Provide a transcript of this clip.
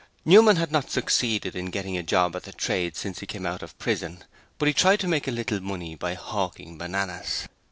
Newman had not succeeded in getting a job at the trade since he came out of prison, but he tried to make a little money by hawking bananas.